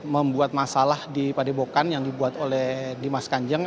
membuat masalah di padepokan yang dibuat oleh dimas kanjeng